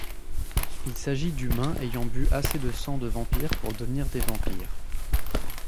Il s'agit d'humains ayant bu assez de sang de vampire pour devenir des vampires.